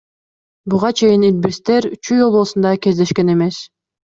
Буга чейин илбирстер Чүй облусунда кездешкен эмес.